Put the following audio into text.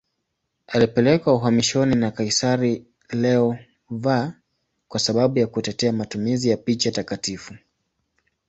Alipelekwa uhamishoni na kaisari Leo V kwa sababu ya kutetea matumizi ya picha takatifu.